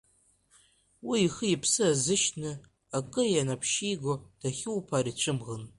Уи ихы-ԥсы азышьҭны акы ианаԥшьиго дахьуԥаар ицәымӷын.